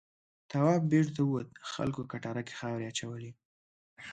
تواب بېرته ووت خلکو کټاره کې خاورې اچولې.